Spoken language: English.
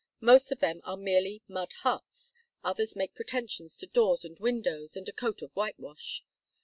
Most of them are merely mud huts, others make pretensions to doors and windows, and a coat of whitewash.